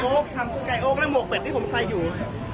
ไก่โอ๊คไก่โอ๊คและหมวกเป็ดที่ผมใส่อยู่